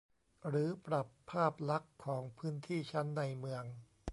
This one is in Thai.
หรือปรับภาพลักษณ์ของพื้นที่ชั้นในเมือง